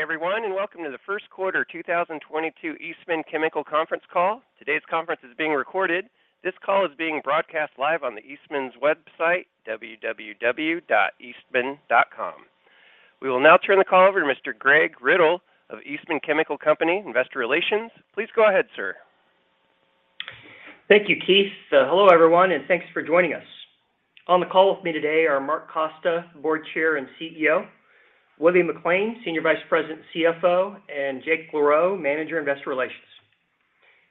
Everyone, welcome to the first quarter 2022 Eastman Chemical Conference call. Today's conference is being recorded. This call is being broadcast live on the Eastman's website, www.eastman.com. We will now turn the call over to Mr. Greg Riddle of Eastman Chemical Company, Investor Relations. Please go ahead, sir. Thank you, Keith. Hello, everyone, and thanks for joining us. On the call with me today are Mark Costa, Board Chair and CEO, William McLain, Senior Vice President CFO, and Jake LaRoe, Manager Investor Relations.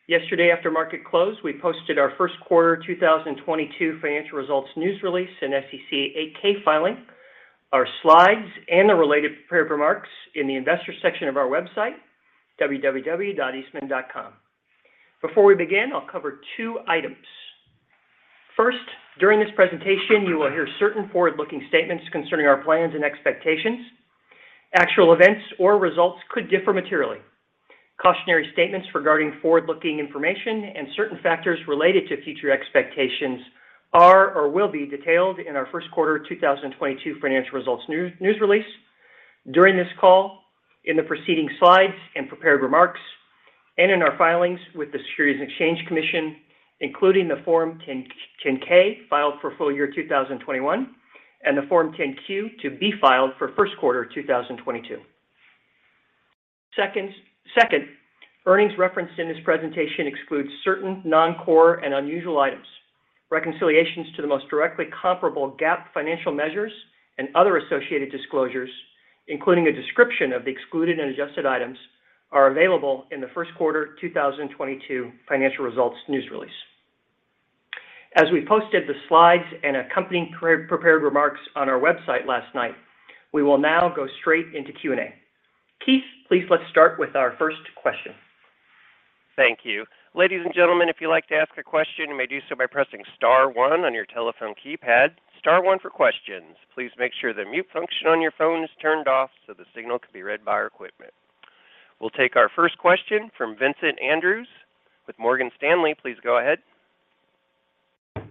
Yesterday, after market close, we posted our first quarter 2022 financial results news release in SEC 8-K filing, our slides and the related prepared remarks in the investor section of our website, www.eastman.com. Before we begin, I'll cover two items. First, during this presentation, you will hear certain forward-looking statements concerning our plans and expectations. Actual events or results could differ materially. Cautionary statements regarding forward-looking information and certain factors related to future expectations are or will be detailed in our first quarter 2022 financial results news release during this call, in the preceding slides and prepared remarks, and in our filings with the Securities and Exchange Commission, including the form 10-K filed for full year 2021, and the form 10-Q to be filed for first quarter 2022. Second, earnings referenced in this presentation excludes certain non-core and unusual items. Reconciliations to the most directly comparable GAAP financial measures and other associated disclosures, including a description of the excluded and adjusted items, are available in the first quarter 2022 financial results news release. As we posted the slides and accompanying pre-prepared remarks on our website last night, we will now go straight into Q&A. Keith, please let's start with our first question. Thank you. Ladies and gentlemen, if you'd like to ask a question, you may do so by pressing star one on your telephone keypad. Star one for questions. Please make sure the mute function on your phone is turned off so the signal can be read by our equipment. We'll take our first question from Vincent Andrews with Morgan Stanley. Please go ahead.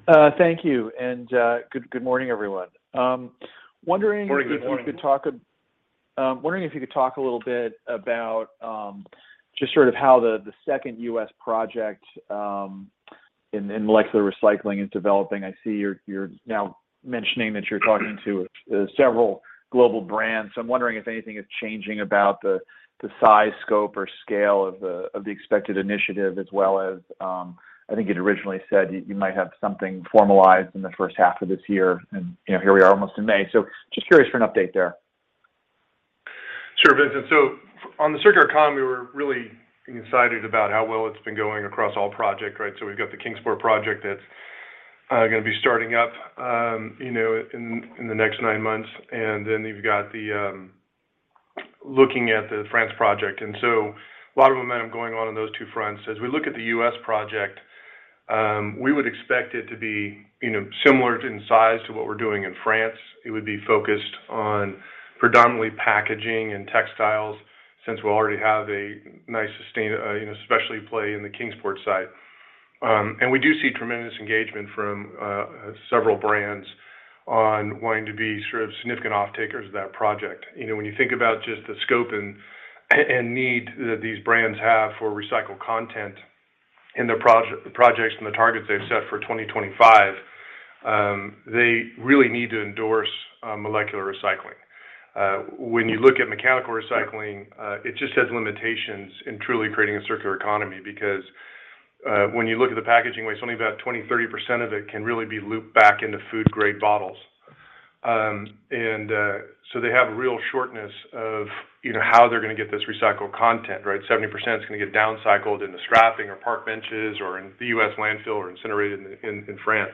Thank you. Good morning, everyone. Wondering if you could talk. Good morning. Wondering if you could talk a little bit about just sort of how the second U.S. project in molecular recycling is developing. I see you're now mentioning that you're talking to several global brands. I'm wondering if anything is changing about the size, scope, or scale of the expected initiative as well as I think you'd originally said you might have something formalized in the first half of this year and you know here we are almost in May. Just curious for an update there. Sure, Vincent Andrews. On the circular economy, we're really excited about how well it's been going across all projects, right? We've got the Kingsport project that's gonna be starting up, you know, in the next nine months. Then you've got, looking at, the France project. A lot of momentum going on in those two fronts. As we look at the US project, we would expect it to be, you know, similar in size to what we're doing in France. It would be focused on predominantly packaging and textiles since we already have a nice, you know, specialty play in the Kingsport side. We do see tremendous engagement from several brands on wanting to be sort of significant off-takers of that project. You know, when you think about just the scope and need that these brands have for recycled content in the projects and the targets they've set for 2025, they really need to endorse molecular recycling. When you look at mechanical recycling, it just has limitations in truly creating a circular economy because when you look at the packaging waste, only about 20-30% of it can really be looped back into food-grade bottles. They have a real shortage of, you know, how they're gonna get this recycled content, right? 70% is gonna get downcycled into strapping or park benches or in the U.S. landfill or incinerated in France.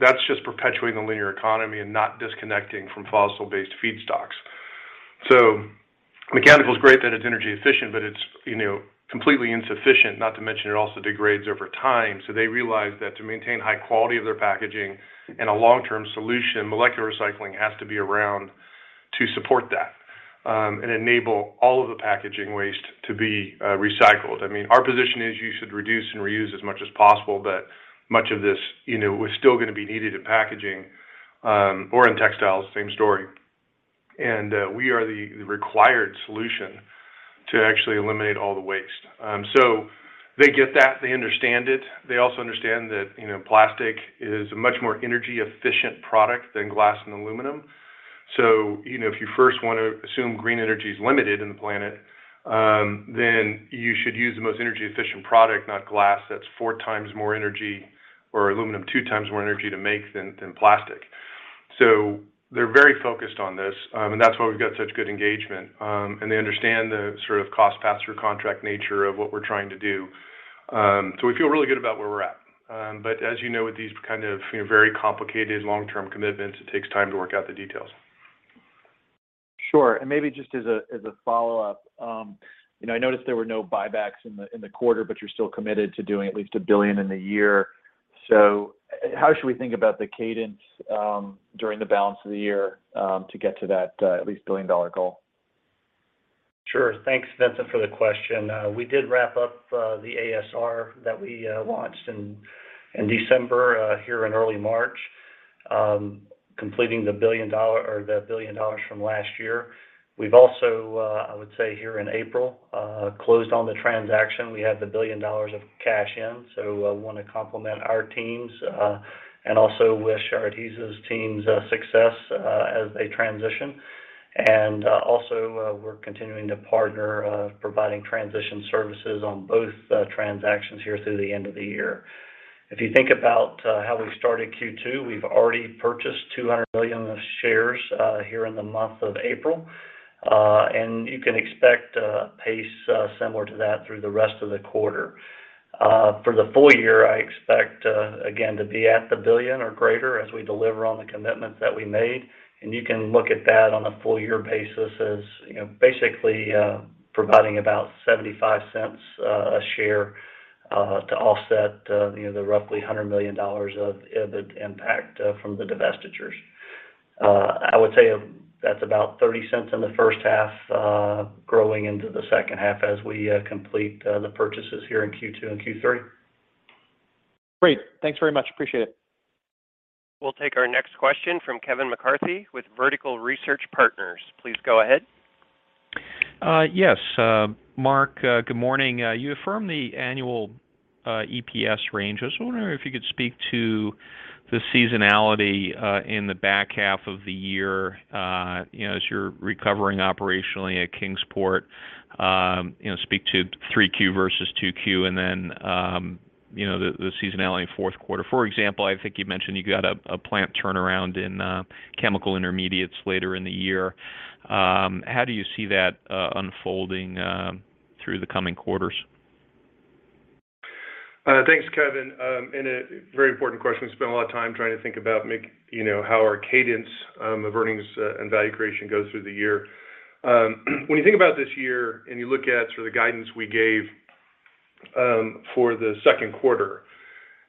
That's just perpetuating the linear economy and not disconnecting from fossil-based feedstocks. Mechanical is great that it's energy efficient, but it's, you know, completely insufficient, not to mention it also degrades over time. They realize that to maintain high quality of their packaging and a long-term solution, molecular recycling has to be around to support that, and enable all of the packaging waste to be recycled. I mean, our position is you should reduce and reuse as much as possible, but much of this, you know, is still gonna be needed in packaging, or in textiles, same story. We are the required solution to actually eliminate all the waste. They get that. They understand it. They also understand that, you know, plastic is a much more energy efficient product than glass and aluminum. You know, if you first want to assume green energy is limited in the planet, then you should use the most energy efficient product, not glass. That's four times more energy, or aluminum, two times more energy to make than plastic. They're very focused on this, and that's why we've got such good engagement. They understand the sort of cost pass-through contract nature of what we're trying to do. We feel really good about where we're at. But as you know, with these kind of very complicated long-term commitments, it takes time to work out the details. Sure. Maybe just as a follow-up, you know, I noticed there were no buybacks in the quarter, but you're still committed to doing at least $1 billion in the year. How should we think about the cadence during the balance of the year to get to that at least $1 billion-dollar goal? Sure. Thanks, Vincent, for the question. We did wrap up the ASR that we launched in December here in early March, completing the $1 billion from last year. We've also, I would say here in April, closed on the transaction. We have the $1 billion of cash in. I want to compliment our teams and also wish Arxada's team success as they transition. We're continuing to partner, providing transition services on both transactions here through the end of the year. If you think about how we started Q2, we've already purchased 200 million shares here in the month of April. You can expect a pace similar to that through the rest of the quarter. For the full year, I expect, again, to be at $1 billion or greater as we deliver on the commitments that we made. You can look at that on a full year basis as, you know, basically, providing about $0.75 a share to offset, you know, the roughly $100 million of EBIT impact from the divestitures. I would say that's about $0.30 in the first half, growing into the second half as we complete the purchases here in Q2 and Q3. Great. Thanks very much. Appreciate it. We'll take our next question from Kevin McCarthy with Vertical Research Partners. Please go ahead. Yes. Mark, good morning. You affirmed the annual EPS range. I was wondering if you could speak to the seasonality in the back half of the year, you know, as you're recovering operationally at Kingsport. You know, speak to 3Q versus 2Q. Then, you know, the seasonality in fourth quarter. For example, I think you mentioned you got a plant turnaround in Chemical Intermediates later in the year. How do you see that unfolding through the coming quarters? Thanks, Kevin. A very important question. We spend a lot of time trying to think about how our cadence of earnings and value creation goes through the year. When you think about this year and you look at sort of the guidance we gave for the second quarter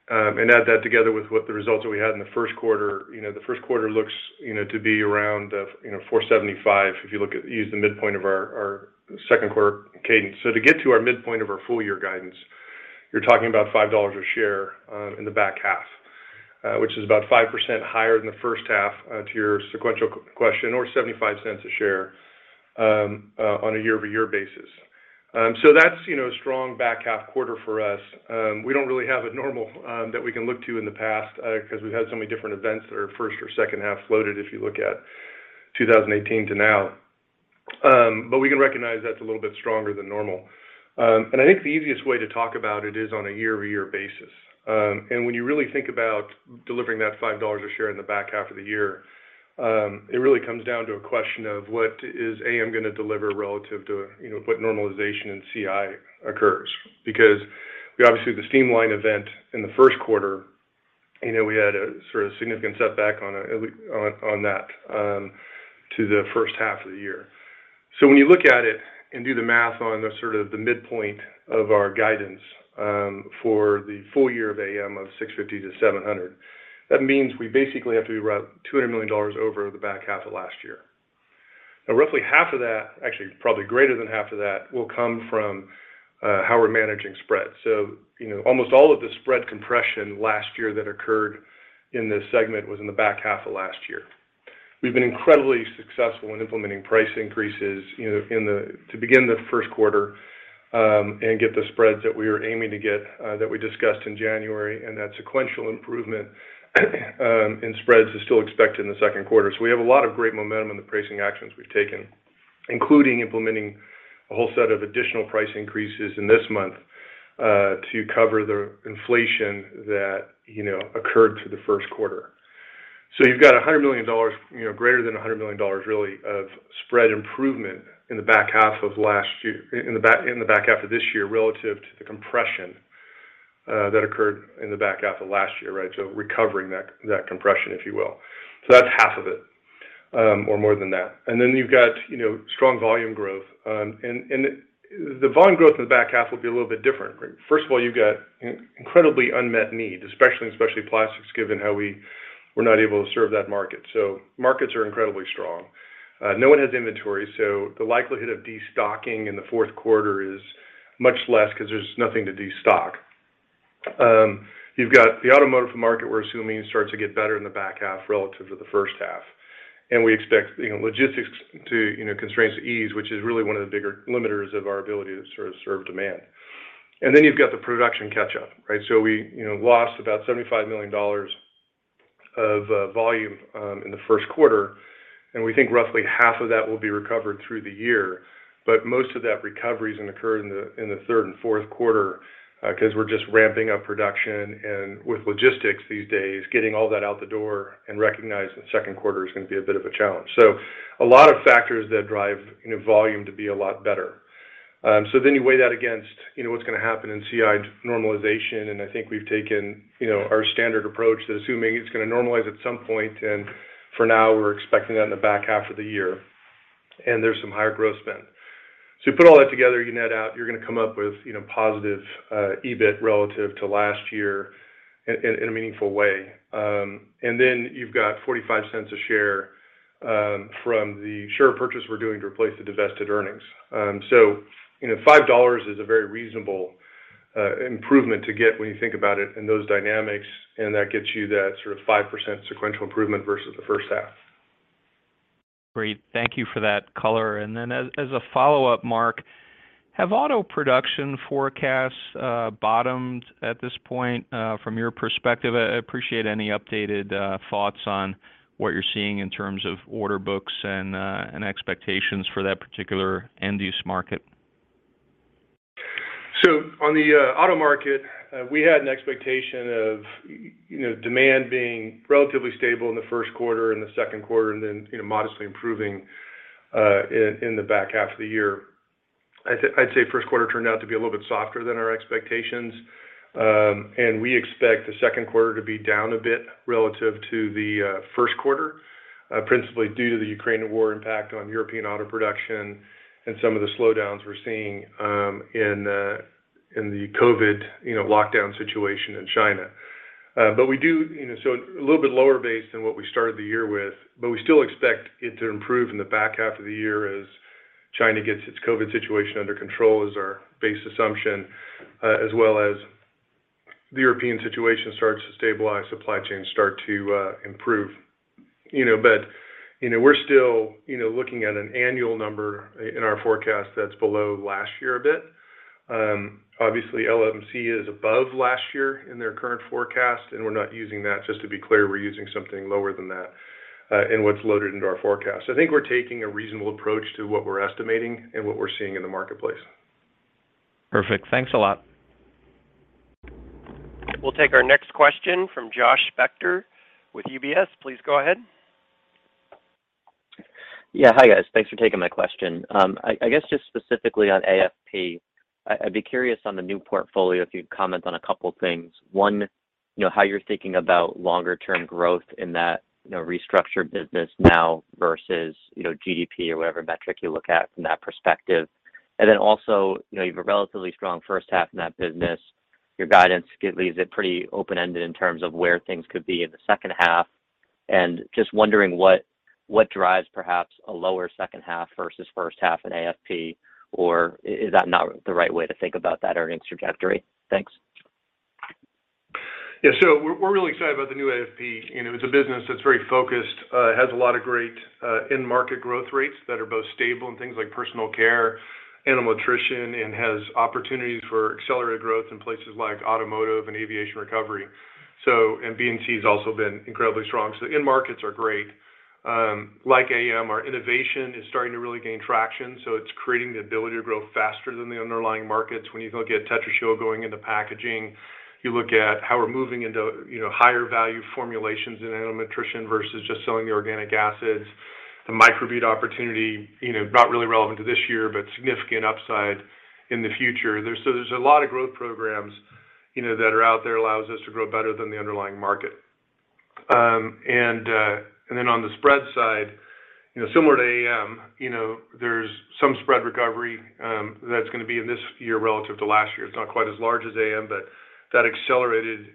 and add that together with what the results that we had in the first quarter, you know, the first quarter looks, you know, to be around $475 if you use the midpoint of our second quarter cadence. To get to our midpoint of our full year guidance, you're talking about $5 a share in the back half, which is about 5% higher than the first half to your sequential question, or $0.75 a share on a year-over-year basis. That's, you know, a strong back half quarter for us. We don't really have a normal that we can look to in the past because we've had so many different events that are first or second half loaded if you look at 2018 to now. We can recognize that's a little bit stronger than normal. I think the easiest way to talk about it is on a year-over-year basis. When you really think about delivering that $5 a share in the back half of the year, it really comes down to a question of what is AM going to deliver relative to, you know, what normalization in CI occurs. Because obviously the steam line event in the first quarter, you know, we had a sort of significant setback on that to the first half of the year. When you look at it and do the math on the midpoint of our guidance for the full year of AM of $650-$700, that means we basically have to be around $200 million over the back half of last year. Now roughly half of that, actually probably greater than half of that, will come from how we're managing spread. You know, almost all of the spread compression last year that occurred in this segment was in the back half of last year. We've been incredibly successful in implementing price increases, you know, to begin the first quarter, and get the spreads that we were aiming to get, that we discussed in January. That sequential improvement in spreads is still expected in the second quarter. We have a lot of great momentum in the pricing actions we've taken, including implementing a whole set of additional price increases in this month, to cover the inflation that, you know, occurred through the first quarter. You've got $100 million, you know, greater than $100 million really of spread improvement in the back half of this year relative to the compression that occurred in the back half of last year, right? Recovering that compression, if you will. That's half of it, or more than that. You've got, you know, strong volume growth. The volume growth in the back half will be a little bit different. First of all, you've got incredibly unmet need, especially plastics given how we were not able to serve that market. Markets are incredibly strong. No one has inventory, so the likelihood of destocking in the fourth quarter is much less because there's nothing to destock. You've got the automotive market we're assuming starts to get better in the back half relative to the first half. We expect, you know, logistics constraints to ease, which is really one of the bigger limiters of our ability to sort of serve demand. You've got the production catch up, right? We, you know, lost about $75 million of volume in the first quarter, and we think roughly half of that will be recovered through the year. Most of that recovery is going to occur in the third and fourth quarter, because we're just ramping up production and with logistics these days, getting all that out the door and recognizing the second quarter is going to be a bit of a challenge. A lot of factors that drive, you know, volume to be a lot better. You weigh that against, you know, what's going to happen in CI normalization. I think we've taken, you know, our standard approach to assuming it's going to normalize at some point. For now we're expecting that in the back half of the year. There's some higher gross spend. You put all that together, you net out, you're going to come up with, you know, positive EBIT relative to last year in a meaningful way. You've got $0.45 a share from the share purchase we're doing to replace the divested earnings. you know, $5 is a very reasonable improvement to get when you think about it in those dynamics, and that gets you that sort of 5% sequential improvement versus the first half. Great. Thank you for that color. As a follow-up, Mark, have auto production forecasts bottomed at this point from your perspective? I appreciate any updated thoughts on what you're seeing in terms of order books and expectations for that particular end-use market. On the auto market, we had an expectation of, you know, demand being relatively stable in the first quarter and the second quarter, and then, you know, modestly improving in the back half of the year. I'd say first quarter turned out to be a little bit softer than our expectations. We expect the second quarter to be down a bit relative to the first quarter, principally due to the Ukraine war impact on European auto production and some of the slowdowns we're seeing in the COVID, you know, lockdown situation in China. But we do. You know, a little bit lower base than what we started the year with, but we still expect it to improve in the back half of the year as China gets its COVID situation under control. That is our base assumption, as well as the European situation starts to stabilize, supply chains start to improve. You know, we're still looking at an annual number in our forecast that's below last year a bit. Obviously, LMC is above last year in their current forecast, and we're not using that. Just to be clear, we're using something lower than that in what's loaded into our forecast. I think we're taking a reasonable approach to what we're estimating and what we're seeing in the marketplace. Perfect. Thanks a lot. We'll take our next question from Josh Spector with UBS. Please go ahead. Yeah. Hi, guys. Thanks for taking my question. I guess just specifically on AFP, I'd be curious on the new portfolio if you'd comment on a couple things. One, you know, how you're thinking about longer term growth in that, you know, restructured business now versus, you know, GDP or whatever metric you look at from that perspective. And then also, you know, you have a relatively strong first half in that business. Your guidance leaves it pretty open-ended in terms of where things could be in the second half. And just wondering what drives perhaps a lower second half versus first half in AFP, or is that not the right way to think about that earnings trajectory? Thanks. Yeah. We're really excited about the new AFP. You know, it's a business that's very focused, has a lot of great end market growth rates that are both stable in things like personal care, animal nutrition, and has opportunities for accelerated growth in places like automotive and aviation recovery. And B&C has also been incredibly strong. The end markets are great. Like AM, our innovation is starting to really gain traction, so it's creating the ability to grow faster than the underlying markets. When you go get Tetrashield going into packaging, you look at how we're moving into, you know, higher value formulations in animal nutrition versus just selling the organic acids. The microbead opportunity, you know, not really relevant to this year, but significant upside in the future. There's a lot of growth programs, you know, that are out there allows us to grow better than the underlying market. On the spread side, you know, similar to AM, you know, there's some spread recovery that's gonna be in this year relative to last year. It's not quite as large as AM, but that accelerated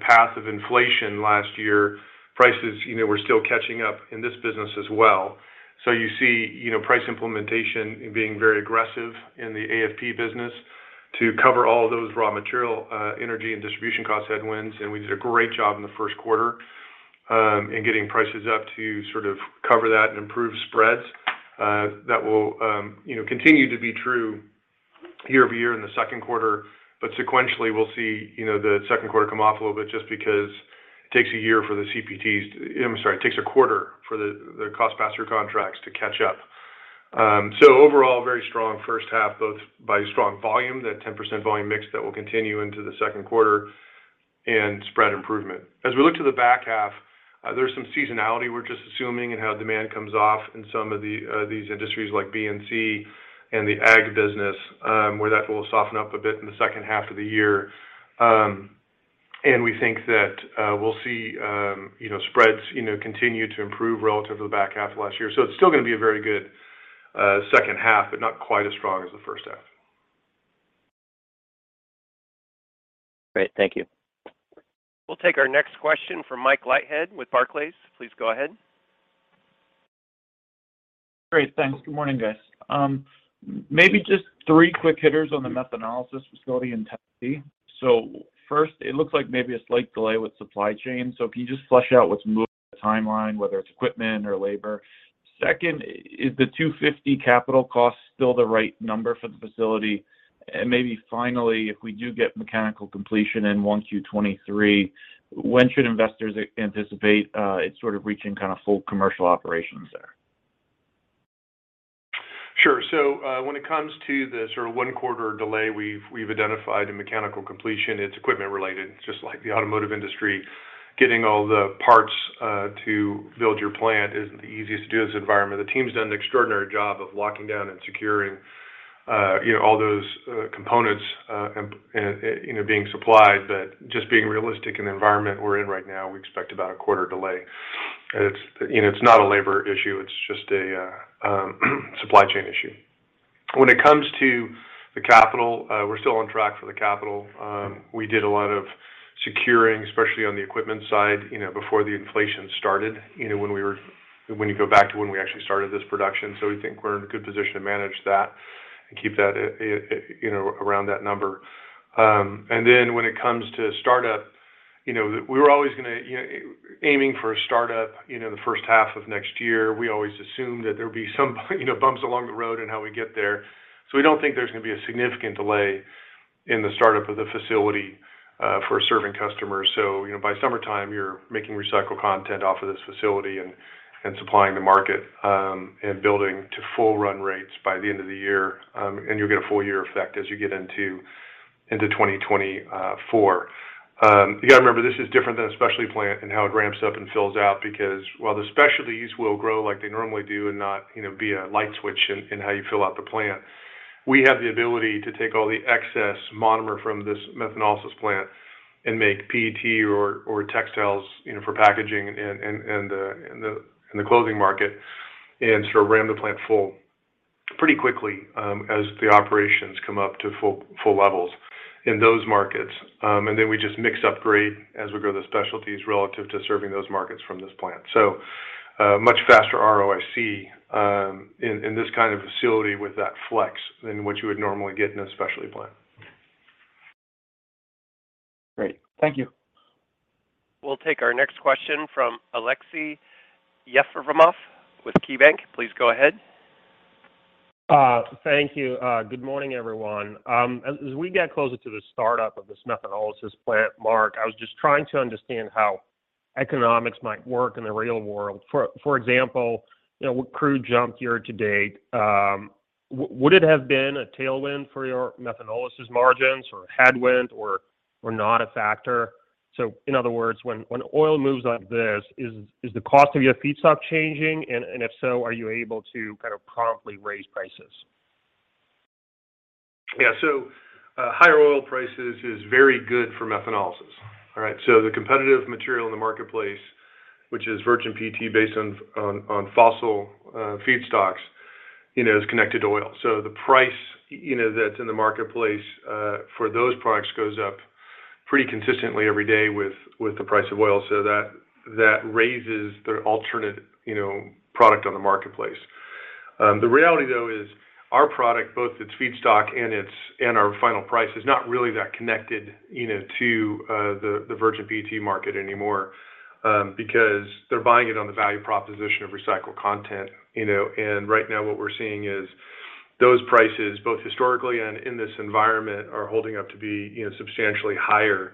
path of inflation last year, prices, you know, we're still catching up in this business as well. You see, you know, price implementation being very aggressive in the AFP business to cover all those raw material, energy and distribution cost headwinds. We did a great job in the first quarter in getting prices up to sort of cover that and improve spreads. That will continue to be true year-over-year in the second quarter. Sequentially, we'll see, you know, the second quarter come off a little bit just because it takes a quarter for the CPTs, the cost pass-through contracts to catch up. So overall, very strong first half, both by strong volume, that 10% volume mix that will continue into the second quarter and spread improvement. As we look to the back half, there's some seasonality we're just assuming in how demand comes off in some of the these industries like B&C and the ag business, where that will soften up a bit in the second half of the year. We think that we'll see, you know, spreads, you know, continue to improve relative to the back half of last year. It's still gonna be a very good second half, but not quite as strong as the first half. Great. Thank you. We'll take our next question from Mike Leithead with Barclays. Please go ahead. Great. Thanks. Good morning, guys. Maybe just three quick hitters on the methanolysis facility in Tennessee. First, it looks like maybe a slight delay with supply chain. Can you just flesh out what's moved the timeline, whether it's equipment or labor? Second, is the $250 million capital cost still the right number for the facility? Maybe finally, if we do get mechanical completion in 1Q23, when should investors anticipate it sort of reaching kind of full commercial operations there? Sure. When it comes to the sort of one quarter delay we've identified in mechanical completion, it's equipment related. Just like the automotive industry, getting all the parts to build your plant isn't the easiest to do in this environment. The team's done an extraordinary job of locking down and securing, you know, all those components and, you know, being supplied. But just being realistic in the environment we're in right now, we expect about a quarter delay. It's, you know, it's not a labor issue, it's just a supply chain issue. When it comes to the capital, we're still on track for the capital. We did a lot of securing, especially on the equipment side, you know, before the inflation started, you know, when you go back to when we actually started this production. We think we're in a good position to manage that and keep that at you know, around that number. Then when it comes to startup, you know, we were always gonna aiming for a startup, you know, the first half of next year. We always assumed that there would be some you know, bumps along the road in how we get there. We don't think there's gonna be a significant delay in the startup of the facility for serving customers. You know, by summertime, you're making recycled content off of this facility and supplying the market and building to full run rates by the end of the year. You'll get a full year effect as you get into 2024. You gotta remember, this is different than a specialty plant and how it ramps up and fills out. Because while the specialties will grow like they normally do and not, you know, be a light switch on in how you fill out the plant, we have the ability to take all the excess monomer from this methanolysis plant and make PET or textiles, you know, for packaging and the clothing market, and sort of run the plant full pretty quickly, as the operations come up to full levels in those markets. Then we just mix and upgrade as we grow the specialties relative to serving those markets from this plant. Much faster ROIC in this kind of facility with that flex than what you would normally get in a specialty plant. Great. Thank you. We'll take our next question from Aleksey Yefremov with KeyBanc Capital Markets. Please go ahead. Thank you. Good morning, everyone. As we get closer to the startup of this methanolysis plant, Mark, I was just trying to understand how economics might work in the real world. For example, you know, with crude jump year to date, would it have been a tailwind for your methanolysis margins, or a headwind, or not a factor? In other words, when oil moves like this, is the cost of your feedstock changing? And if so, are you able to kind of promptly raise prices? Yeah. Higher oil prices is very good for methanolysis. The competitive material in the marketplace, which is virgin PET based on fossil feedstocks, you know, is connected to oil. The price, you know, that's in the marketplace for those products goes up pretty consistently every day with the price of oil. That raises the alternate, you know, product on the marketplace. The reality, though, is our product, both its feedstock and our final price is not really that connected, you know, to the virgin PET market anymore, because they're buying it on the value proposition of recycled content, you know. Right now, what we're seeing is those prices, both historically and in this environment, are holding up to be, you know, substantially higher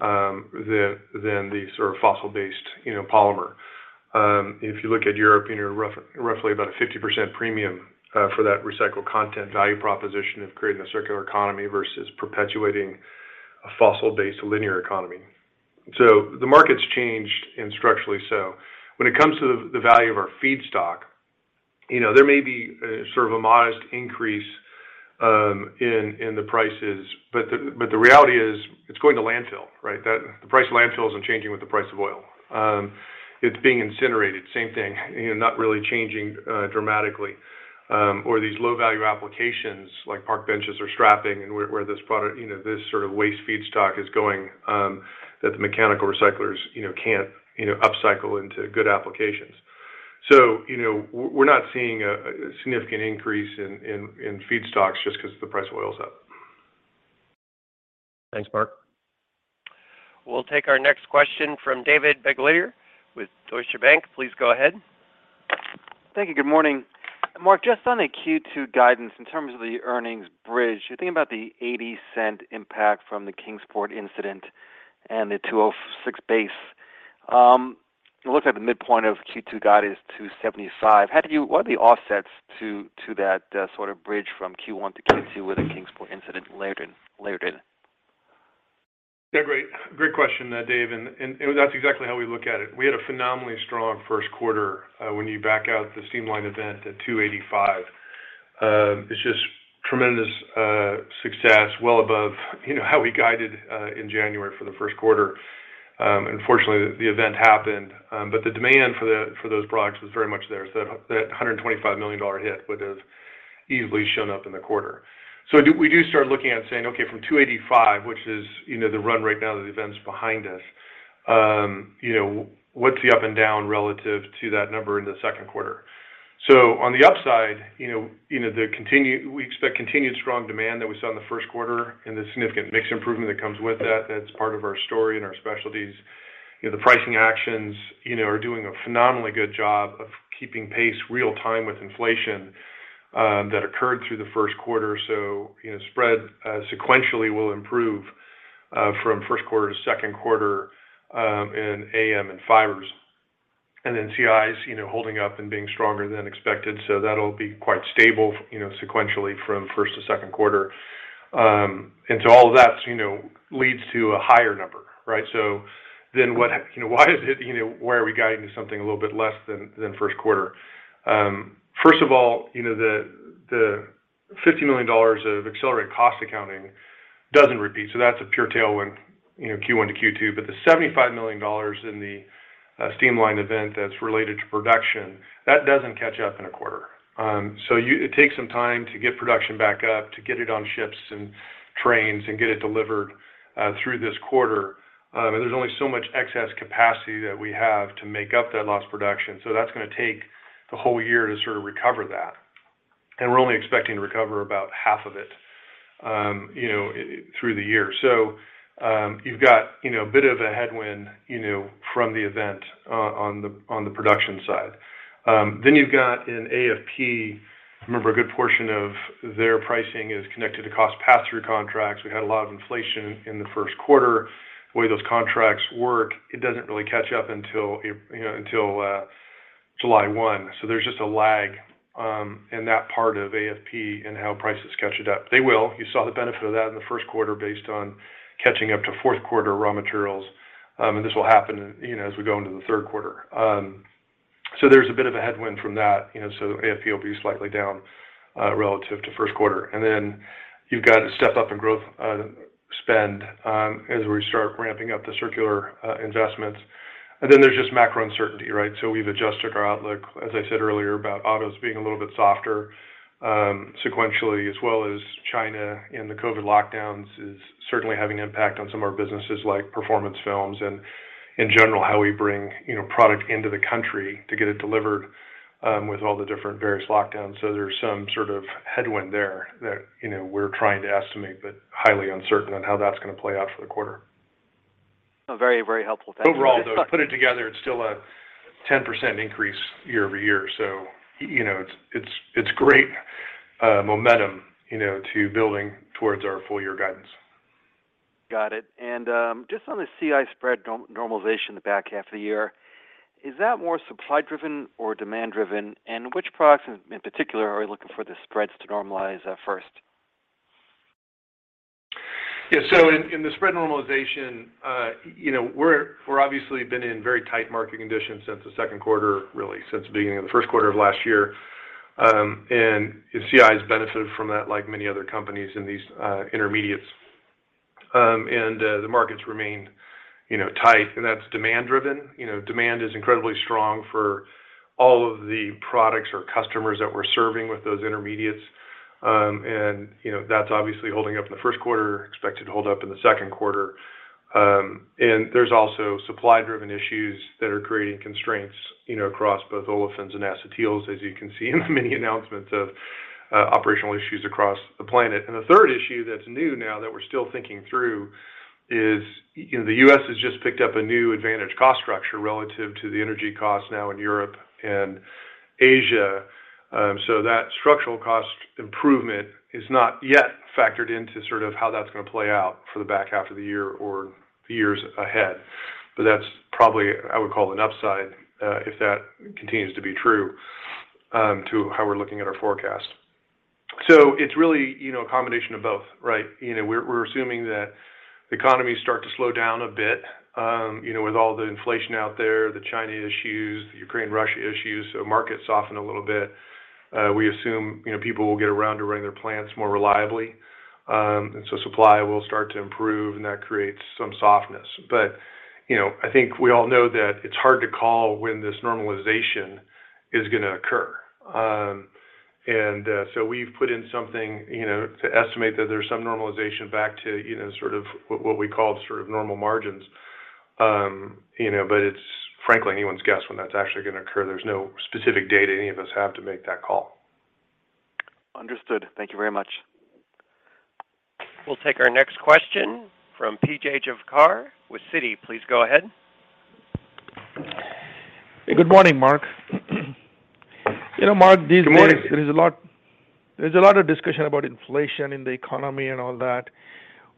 than the sort of fossil-based, you know, polymer. If you look at European, you're roughly about a 50% premium for that recycled content value proposition of creating a circular economy versus perpetuating a fossil-based linear economy. The market's changed, and structurally so. When it comes to the value of our feedstock, you know, there may be sort of a modest increase in the prices, but the reality is it's going to landfill, right? The price of landfill isn't changing with the price of oil. It's being incinerated, same thing, you know, not really changing dramatically. These low-value applications like park benches or strapping and where this product, you know, this sort of waste feedstock is going that the mechanical recyclers, you know, can't, you know, upcycle into good applications. We're not seeing a significant increase in feedstocks just 'cause the price of oil's up. Thanks, Mark. We'll take our next question from David Begleiter with Deutsche Bank. Please go ahead. Thank you. Good morning. Mark, just on the Q2 guidance, in terms of the earnings bridge, you think about the $0.80 impact from the Kingsport incident and the $2.06 base. It looks like the midpoint of Q2 guide is $2.75. What are the offsets to that sort of bridge from Q1 to Q2 with the Kingsport incident layered in? Yeah. Great question, Dave, and that's exactly how we look at it. We had a phenomenally strong first quarter when you back out the steam line event at $285. It's just tremendous success, well above, you know, how we guided in January for the first quarter. Unfortunately, the event happened, but the demand for those products was very much there. That $125 million hit would have easily shown up in the quarter. We do start looking at saying, "Okay. From 285, which is, you know, the run rate now that the event's behind us, you know, what's the up and down relative to that number in the second quarter?" On the upside, you know, we expect continued strong demand that we saw in the first quarter and the significant mix improvement that comes with that. That's part of our story and our specialties. You know, the pricing actions, you know, are doing a phenomenally good job of keeping pace real time with inflation, that occurred through the first quarter. You know, spread sequentially will improve from first quarter to second quarter in AM and fibers. CI's holding up and being stronger than expected, so that'll be quite stable, you know, sequentially from first to second quarter. All of that, you know, leads to a higher number, right? Why are we guiding to something a little bit less than first quarter? First of all, you know, the $50 million of accelerated cost accounting doesn't repeat, so that's a pure tailwind, you know, Q1 to Q2. The $75 million in the steam line event that's related to production doesn't catch up in a quarter. It takes some time to get production back up, to get it on ships and trains, and get it delivered through this quarter, and there's only so much excess capacity that we have to make up that lost production. That's gonna take the whole year to sort of recover that. We're only expecting to recover about half of it, you know, through the year. You've got, you know, a bit of a headwind, you know, from the event on the production side. You've got in AFP, remember a good portion of their pricing is connected to cost pass-through contracts. We had a lot of inflation in the first quarter. The way those contracts work, it doesn't really catch up until, you know, July 1. There's just a lag in that part of AFP in how prices catch it up. They will. You saw the benefit of that in the first quarter based on catching up to fourth quarter raw materials, and this will happen, you know, as we go into the third quarter. There's a bit of a headwind from that, you know, AFP will be slightly down relative to first quarter. You've got a step up in growth spend as we start ramping up the circular investments. There's just macro uncertainty, right? We've adjusted our outlook, as I said earlier, about autos being a little bit softer sequentially, as well as China and the COVID lockdowns is certainly having an impact on some of our businesses like Performance Films and in general, how we bring, you know, product into the country to get it delivered with all the different various lockdowns. There's some sort of headwind there that, you know, we're trying to estimate, but highly uncertain on how that's gonna play out for the quarter. Very, very helpful. Thank you. Overall, though, put it together, it's still a 10% increase year-over-year. You know, it's great momentum, you know, to building towards our full year guidance. Got it. Just on the CI spread normalization in the back half of the year, is that more supply driven or demand driven? Which products in particular are you looking for the spreads to normalize first? Yeah. In the spread normalization, you know, we're obviously been in very tight market conditions since the second quarter, really since the beginning of the first quarter of last year. CI has benefited from that like many other companies in these intermediates. The markets remain, you know, tight, and that's demand driven. You know, demand is incredibly strong for all of the products or customers that we're serving with those intermediates. You know, that's obviously holding up in the first quarter, expected to hold up in the second quarter. There's also supply driven issues that are creating constraints, you know, across both olefins and acetyls, as you can see in the many announcements of operational issues across the planet. The third issue that's new now that we're still thinking through is, you know, the U.S. has just picked up a new advantage cost structure relative to the energy costs now in Europe and Asia. That structural cost improvement is not yet factored into sort of how that's gonna play out for the back half of the year or years ahead. That's probably, I would call an upside, if that continues to be true, to how we're looking at our forecast. It's really, you know, a combination of both, right? You know, we're assuming that the economy start to slow down a bit, you know, with all the inflation out there, the Chinese issues, the Ukraine-Russia issues, so markets soften a little bit. We assume, you know, people will get around to running their plants more reliably. Supply will start to improve, and that creates some softness. You know, I think we all know that it's hard to call when this normalization is gonna occur. We've put in something, you know, to estimate that there's some normalization back to, you know, sort of what we call sort of normal margins. You know, it's frankly anyone's guess when that's actually gonna occur. There's no specific data any of us have to make that call. Understood. Thank you very much. We'll take our next question from P.J. Juvekar with Citi. Please go ahead. Good morning. Good morning. There's a lot of discussion about inflation in the economy and all that.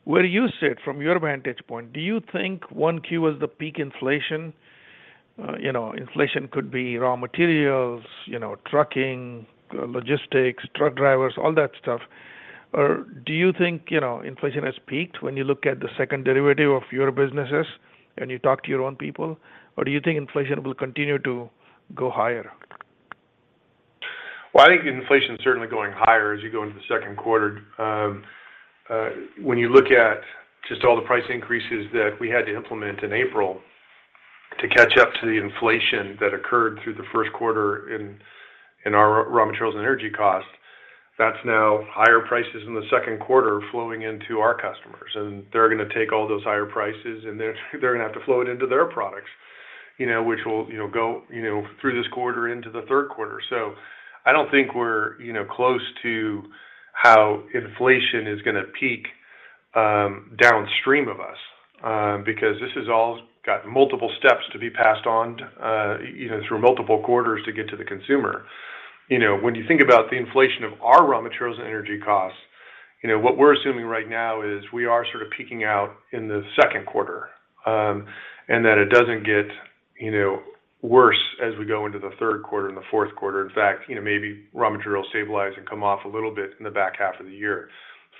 Where you sit from your vantage point, do you think 1Q was the peak inflation? You know, inflation could be raw materials, you know, trucking, logistics, truck drivers, all that stuff. Or do you think, you know, inflation has peaked when you look at the second derivative of your businesses and you talk to your own people, or do you think inflation will continue to go higher? Well, I think inflation is certainly going higher as you go into the second quarter. When you look at just all the price increases that we had to implement in April to catch up to the inflation that occurred through the first quarter in our raw materials and energy costs, that's now higher prices in the second quarter flowing into our customers. They're gonna take all those higher prices, and they're gonna have to flow it into their products, you know, which will, you know, go, you know, through this quarter into the third quarter. I don't think we're, you know, close to how inflation is gonna peak, downstream of us, because this has all got multiple steps to be passed on, you know, through multiple quarters to get to the consumer. You know, when you think about the inflation of our raw materials and energy costs, you know, what we're assuming right now is we are sort of peaking out in the second quarter, and that it doesn't get, you know, worse as we go into the third quarter and the fourth quarter. In fact, you know, maybe raw material stabilize and come off a little bit in the back half of the year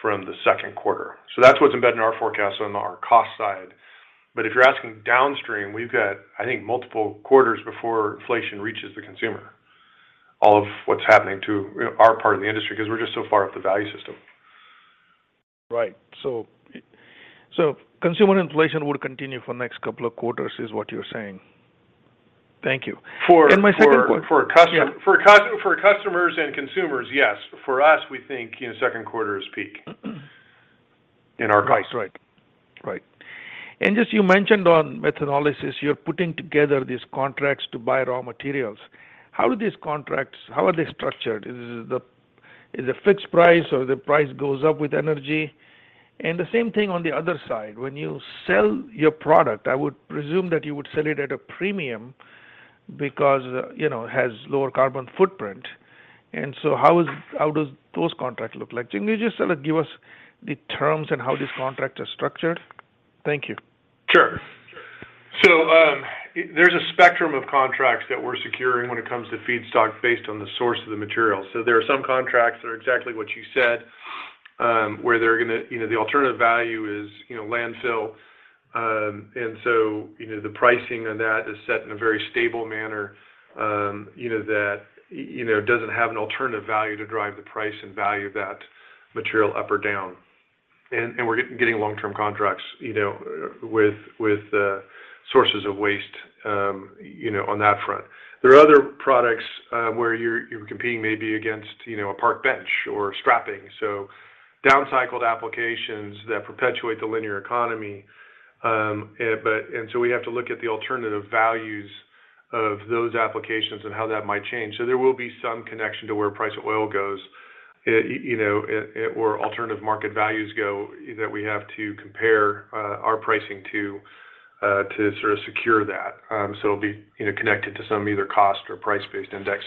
from the second quarter. That's what's embedded in our forecast on our cost side. If you're asking downstream, we've got, I think, multiple quarters before inflation reaches the consumer of what's happening to, you know, our part of the industry because we're just so far up the value system. Right. Consumer inflation will continue for next couple of quarters is what you're saying? Thank you. My second question. For a customer- Yeah. For customers and consumers, yes. For us, we think, you know, second quarter is peak in our price. Right. Just you mentioned on methanolysis, you're putting together these contracts to buy raw materials. How are they structured? Is it fixed price or the price goes up with energy? The same thing on the other side, when you sell your product, I would presume that you would sell it at a premium because, you know, it has lower carbon footprint. How does those contracts look like? Can you just, like, give us the terms and how this contract is structured? Thank you. Sure. There's a spectrum of contracts that we're securing when it comes to feedstock based on the source of the material. There are some contracts that are exactly what you said, where the alternative value is, you know, landfill. You know, the pricing on that is set in a very stable manner, you know, that doesn't have an alternative value to drive the price and value of that material up or down. We're getting long-term contracts, you know, with sources of waste, you know, on that front. There are other products where you're competing maybe against, you know, a park bench or scrapping, downcycled applications that perpetuate the linear economy. We have to look at the alternative values of those applications and how that might change. There will be some connection to where price of oil goes, you know, and where alternative market values go that we have to compare our pricing to sort of secure that. It'll be, you know, connected to some either cost or price-based index.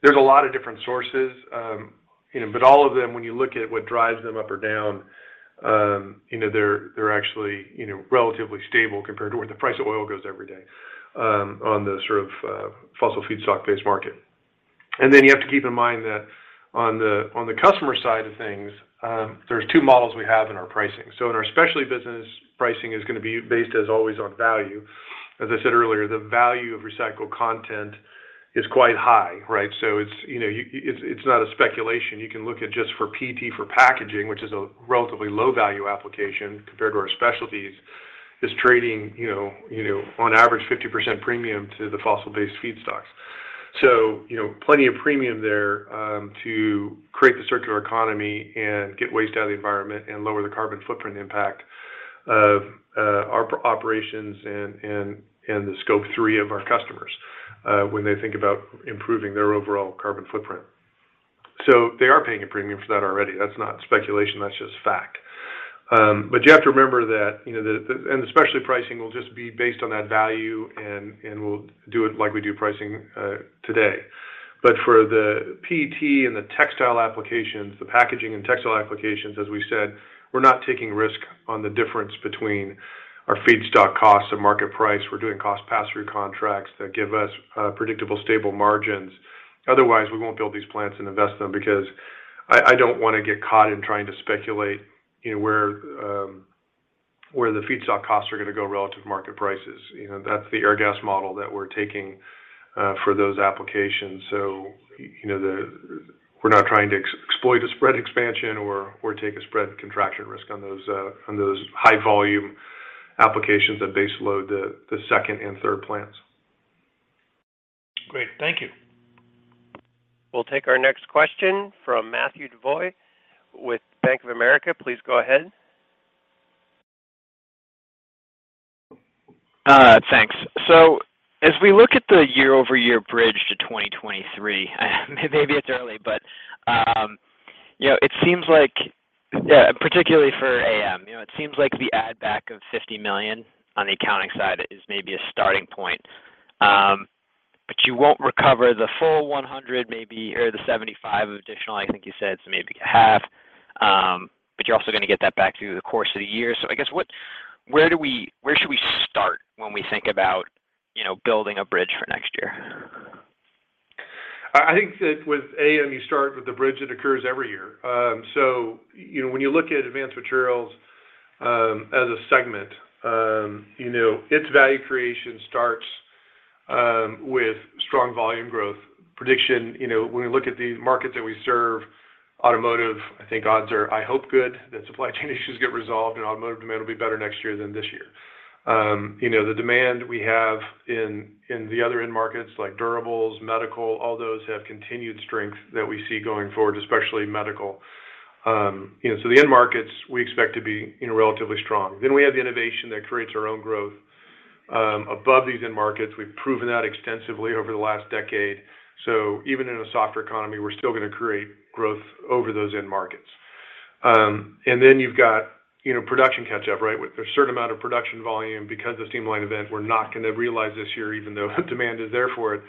There's a lot of different sources, you know, but all of them, when you look at what drives them up or down, you know, they're actually, you know, relatively stable compared to where the price of oil goes every day, on the sort of fossil feedstock-based market. Then you have to keep in mind that on the customer side of things, there's two models we have in our pricing. In our specialty business, pricing is gonna be based, as always, on value. As I said earlier, the value of recycled content is quite high, right? It's, you know, it's not a speculation. You can look at just for PET for packaging, which is a relatively low value application compared to our specialties, is trading, you know, on average 50% premium to the fossil-based feedstocks. You know, plenty of premium there, to create the circular economy and get waste out of the environment and lower the carbon footprint impact of our operations and the Scope three of our customers, when they think about improving their overall carbon footprint. They are paying a premium for that already. That's not speculation, that's just fact. But you have to remember that, you know. The specialty pricing will just be based on that value and we'll do it like we do pricing today. But for the PET and the textile applications, the packaging and textile applications, as we said, we're not taking risk on the difference between our feedstock costs and market price. We're doing cost pass-through contracts that give us predictable, stable margins. Otherwise, we won't build these plants and invest in them because I don't wanna get caught in trying to speculate, you know, where the feedstock costs are gonna go relative to market prices. You know, that's the Airgas model that we're taking for those applications. So, you know, we're not trying to exploit a spread expansion or take a spread contraction risk on those high volume applications that base load the second and third plants. Great. Thank you. We'll take our next question from Matthew DeYoe with Bank of America. Please go ahead. Thanks. As we look at the year-over-year bridge to 2023, maybe it's early, but you know, it seems like particularly for AM, you know, it seems like the add back of $50 million on the accounting side is maybe a starting point. You won't recover the full $100 maybe or the $75 additional, I think you said, so maybe half. You're also gonna get that back through the course of the year. I guess what, where should we start when we think about, you know, building a bridge for next year? I think that with AM, you start with the bridge that occurs every year. You know, when you look at Advanced Materials, as a segment, you know, its value creation starts with strong volume growth prediction. You know, when we look at the markets that we serve, automotive, I think odds are good, I hope, that supply chain issues get resolved and automotive demand will be better next year than this year. You know, the demand we have in the other end markets like durables, medical, all those have continued strength that we see going forward, especially medical. You know, the end markets we expect to be, you know, relatively strong. We have the innovation that creates our own growth above these end markets. We've proven that extensively over the last decade. Even in a softer economy, we're still gonna create growth over those end markets. Then you've got, you know, production catch-up, right? With a certain amount of production volume because of steam line event we're not gonna realize this year even though demand is there for it.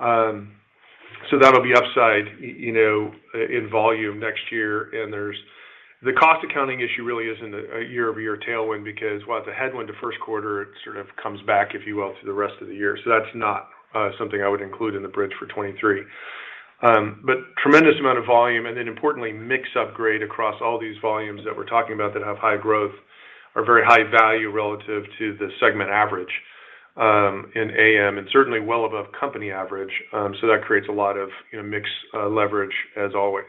That'll be upside, you know, in volume next year. There's the cost accounting issue really isn't a year-over-year tailwind because while it's a headwind the first quarter, it sort of comes back, if you will, to the rest of the year. That's not something I would include in the bridge for 2023. Tremendous amount of volume and then importantly, mix upgrade across all these volumes that we're talking about that have high growth are very high value relative to the segment average, in AM and certainly well above company average. That creates a lot of, you know, mix leverage as always.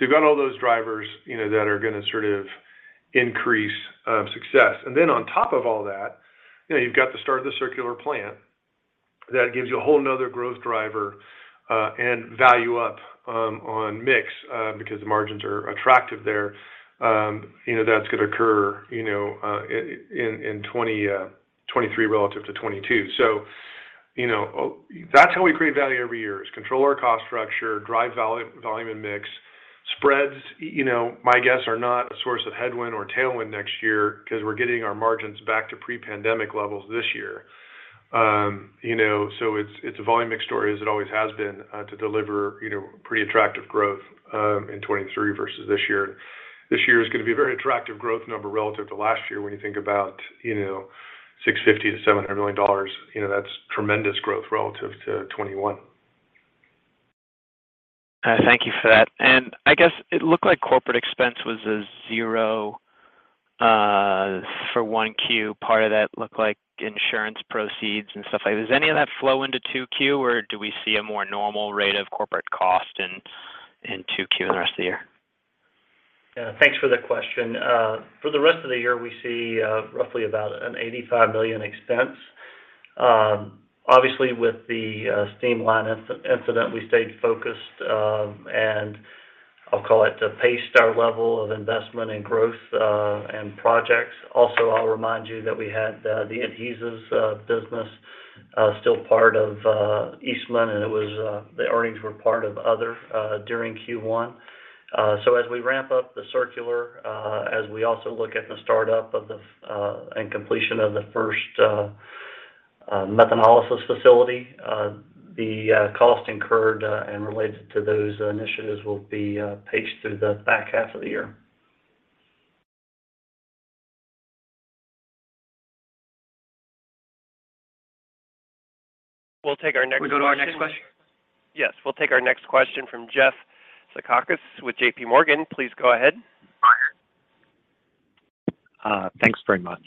You've got all those drivers, you know, that are gonna sort of increase success. On top of all that, you know, you've got the start of the circular plant that gives you a whole another growth driver and value up on mix because the margins are attractive there. You know, that's gonna occur, you know, in 2023 relative to 2022. You know, that's how we create value every year is control our cost structure, drive volume and mix. Spreads, you know, my guess are not a source of headwind or tailwind next year 'cause we're getting our margins back to pre-pandemic levels this year. It's a volume mix story as it always has been to deliver pretty attractive growth in 2023 versus this year. This year is gonna be a very attractive growth number relative to last year when you think about $650 million-$700 million. That's tremendous growth relative to 2021. Thank you for that. I guess it looked like corporate expense was a zero for 1Q. Part of that looked like insurance proceeds and stuff like. Does any of that flow into 2Q, or do we see a more normal rate of corporate cost in 2Q and the rest of the year? Yeah. Thanks for the question. For the rest of the year, we see roughly about $85 million expense. Obviously, with the steam line incident, we stayed focused, and I'll call it to pace our level of investment and growth and projects. Also, I'll remind you that we had the adhesives business still part of Eastman, and it was the earnings were part of other during Q1. As we ramp up the circular, as we also look at the startup of the facility and completion of the first methanolysis facility, the cost incurred and related to those initiatives will be paced through the back half of the year. We'll take our next question. Can we go to our next question? Yes. We'll take our next question from Jeffrey Zekauskas with J.P. Morgan. Please go ahead. Thanks very much.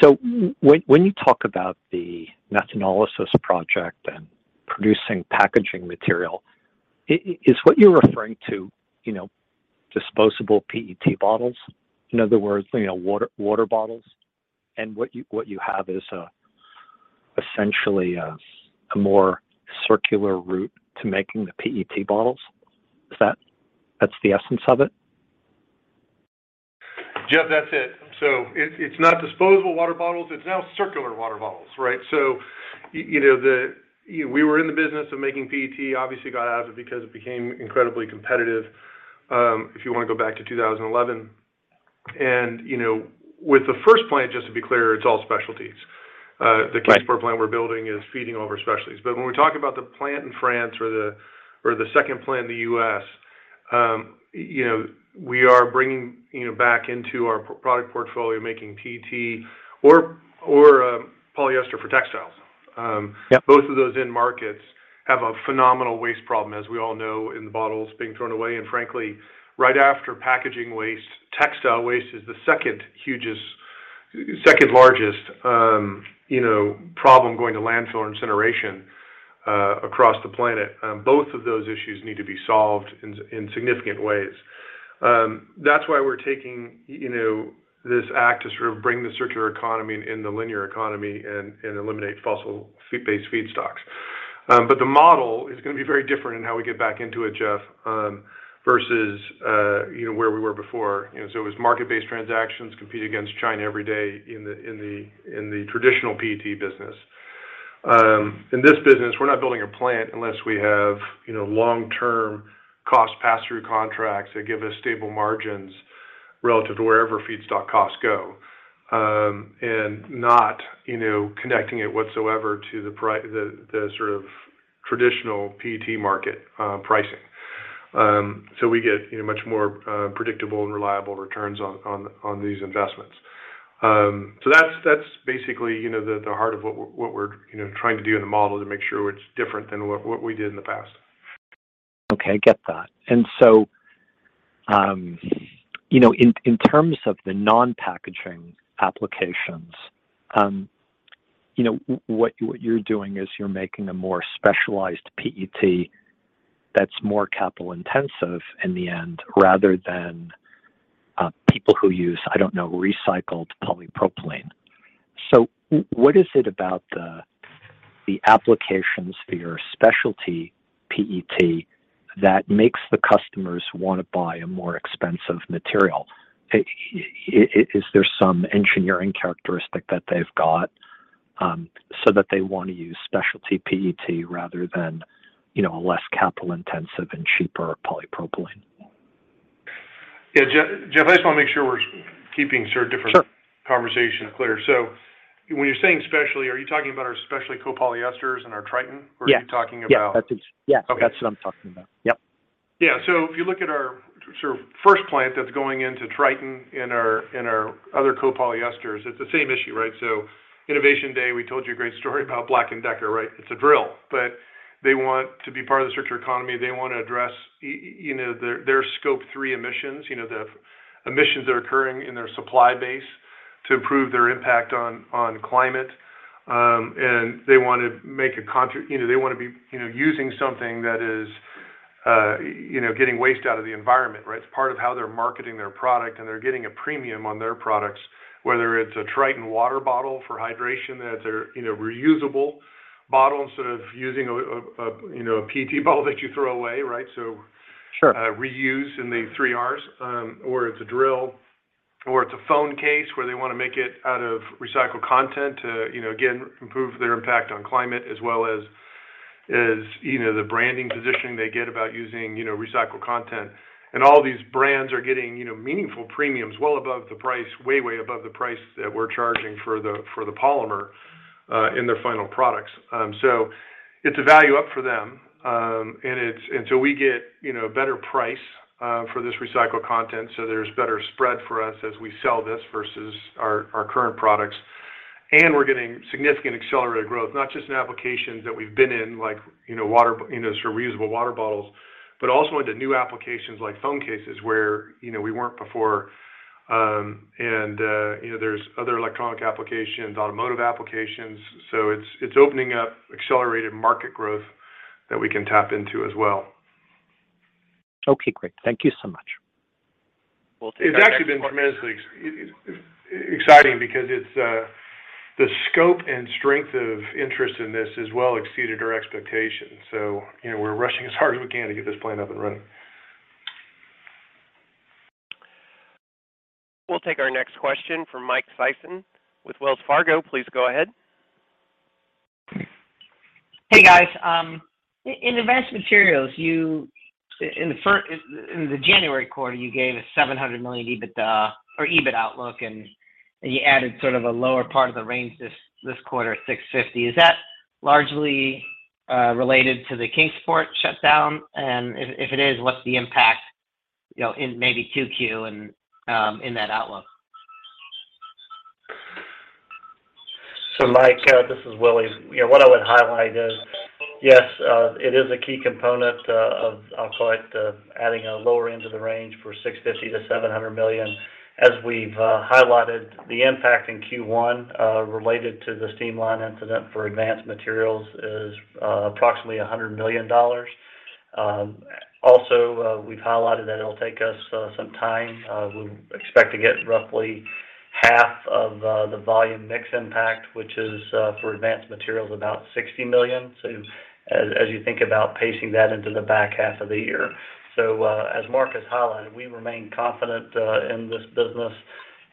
So when you talk about the methanolysis project and producing packaging material, is what you're referring to, you know, disposable PET bottles? In other words, you know, water bottles, and what you have is essentially a more circular route to making the PET bottles? Is that the essence of it? Jeff, that's it. It's not disposable water bottles, it's now circular water bottles, right? You know, we were in the business of making PET, obviously got out of it because it became incredibly competitive, if you wanna go back to 2011. You know, with the first plant, just to be clear, it's all specialties. Right. The case for a plant we're building is feeding our specialties. When we talk about the plant in France or the second plant in the US, you know, we are bringing, you know, back into our product portfolio making PET or polyester for textiles. Yep. Both of those end markets have a phenomenal waste problem, as we all know, in the bottles being thrown away. Frankly, right after packaging waste, textile waste is the second largest problem going to landfill or incineration across the planet. Both of those issues need to be solved in significant ways. That's why we're taking this tack to sort of bring the circular economy into the linear economy and eliminate fossil fuel-based feedstocks. The model is gonna be very different in how we get back into it, Jeff, versus you know, where we were before. It was market-based transactions compete against China every day in the traditional PET business. In this business, we're not building a plant unless we have, you know, long-term cost pass-through contracts that give us stable margins relative to wherever feedstock costs go. Not connecting it whatsoever to the sort of traditional PET market pricing. We get, you know, much more predictable and reliable returns on these investments. That's basically, you know, the heart of what we're trying to do in the model to make sure it's different than what we did in the past. Okay. I get that. You know, in terms of the non-packaging applications, you know, what you're doing is you're making a more specialized PET that's more capital intensive in the end rather than people who use, I don't know, recycled polypropylene. What is it about the applications for your specialty PET that makes the customers wanna buy a more expensive material? Is there some engineering characteristic that they've got, so that they wanna use specialty PET rather than, you know, a less capital intensive and cheaper polypropylene? Yeah. Jeff, I just wanna make sure we're keeping sort of different- Sure. Conversation clear. When you're saying specialty, are you talking about our specialty copolyesters and our Tritan? Yeah. Are you talking about- Yeah, that's it. Okay. Yeah, that's what I'm talking about. Yep. Yeah. If you look at our sort of first plant that's going into Tritan and our other copolyesters, it's the same issue, right? Investor Day, we told you a great story about BLACK and DECKER, right? It's a drill, but they want to be part of the circular economy. They wanna address you know, their scope three emissions, you know, the emissions that are occurring in their supply base. To improve their impact on climate. They want to be, you know, using something that is, you know, getting waste out of the environment, right? It's part of how they're marketing their product, and they're getting a premium on their products, whether it's a Tritan water bottle for hydration that are, you know, reusable bottles instead of using a you know, a PET bottle that you throw away, right? Sure Reuse in the three Rs, or it's a drill, or it's a phone case where they want to make it out of recycled content to, you know, again, improve their impact on climate as well as you know, the branding positioning they get about using, you know, recycled content. All these brands are getting, you know, meaningful premiums well above the price, way above the price that we're charging for the polymer in their final products. It's a value up for them, and so we get, you know, a better price for this recycled content, so there's better spread for us as we sell this versus our current products. We're getting significant accelerated growth, not just in applications that we've been in, like, you know, water, you know, sort of reusable water bottles, but also into new applications like phone cases where, you know, we weren't before. You know, there's other electronic applications, automotive applications. It's opening up accelerated market growth that we can tap into as well. Okay, great. Thank you so much. We'll take our next question. It's actually been tremendously exciting because it's the scope and strength of interest in this has well exceeded our expectations. You know, we're rushing as hard as we can to get this plant up and running. We'll take our next question from Mike Sison with Wells Fargo. Please go ahead. Hey, guys. In Advanced Materials, in the January quarter, you gave a $700 million EBITDA or EBIT outlook, and you added sort of a lower part of the range this quarter, $650. Is that largely related to the Kingsport shutdown? If it is, what's the impact, you know, in maybe QQ and in that outlook? Mike, this is Willie. You know, what I would highlight is, yes, it is a key component of select adding a lower end of the range for $650 million-$700 million. As we've highlighted the impact in Q1 related to the steam line incident for Advanced Materials is approximately $100 million. Also, we've highlighted that it'll take us some time. We expect to get roughly half of the volume mix impact, which is for Advanced Materials, about $60 million. As you think about pacing that into the back half of the year. As Mark has highlighted, we remain confident in this business,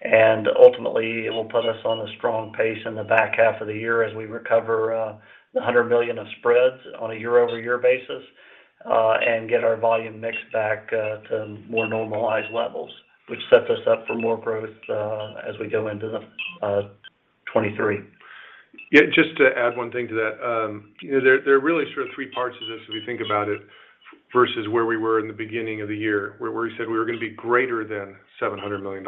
and ultimately, it will put us on a strong pace in the back half of the year as we recover the $100 million of spreads on a year-over-year basis, and get our volume mix back to more normalized levels, which sets us up for more growth as we go into the 2023. Yeah, just to add one thing to that. There are really sort of three parts of this as we think about it versus where we were in the beginning of the year, where we said we were going to be greater than $700 million.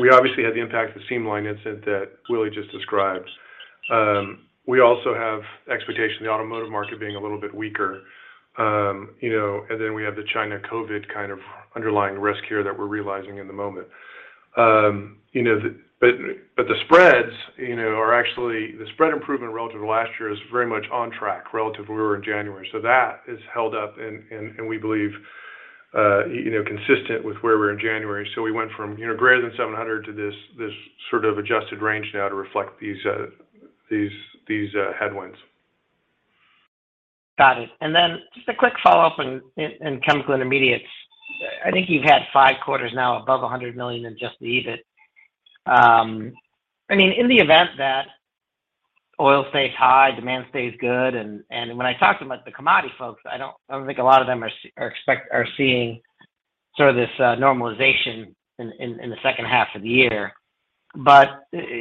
We obviously had the impact of the steam line incident that Willie just described. We also have expectation of the automotive market being a little bit weaker, and then we have the China COVID kind of underlying risk here that we're realizing in the moment. The spreads, you know, are actually the spread improvement relative to last year is very much on track relative to where we were in January. That is held up and we believe, you know, consistent with where we were in January. We went from, you know, greater than 700 to this sort of adjusted range now to reflect these headwinds. Got it. Just a quick follow-up in Chemical Intermediates. I think you've had five quarters now above $100 million in just the EBIT. I mean, in the event that oil stays high, demand stays good, and when I talk to, like, the commodity folks, I don't think a lot of them are seeing sort of this normalization in the second half of the year. You